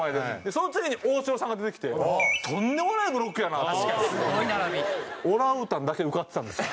その次に大城さんが出てきてとんでもないブロックやなと思ったんですけどオランウータンだけ受かってたんですよ。